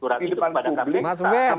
anda malu dengan